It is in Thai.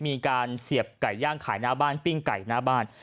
มีการเสียบไก่ย่างขายหน้าบ้านปิ้งไก่หน้าบ้าน